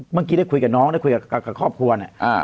เมื่อกี้ได้คุยกับน้องได้คุยกับครอบครัวเนี่ย